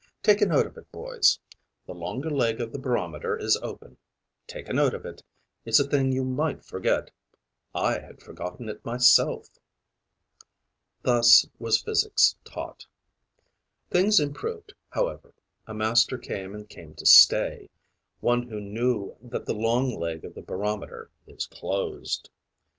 Take a note of it, boys: the longer leg of the barometer is open; take a note of it. It's a thing you might forget; I had forgotten it myself.' Thus was physics taught. Things improved, however: a master came and came to stay, one who knew that the long leg of the barometer is closed.